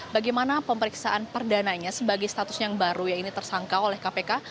karena pemeriksaan perdananya sebagai status yang baru ya ini tersangka oleh kpk